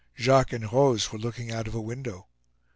Jacques and Rose were looking out of a window.